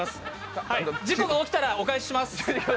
事故が起きたらお返しします。